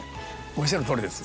おっしゃるとおりです。